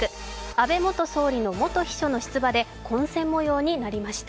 安倍元総理の元秘書の出馬で混戦模様になりました。